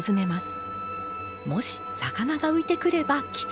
もし魚が浮いてくれば吉。